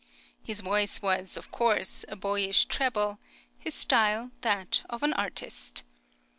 His voice was, of course, a boyish treble; his style that of an artist.